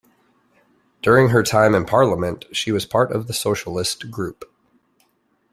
During her time in Parliament, she was part of the Socialist Group.